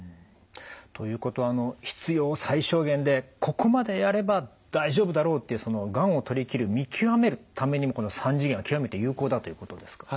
ということは必要最小限でここまでやれば大丈夫だろうっていうがんを取りきる見極めるためにもこの３次元は極めて有効だということですか？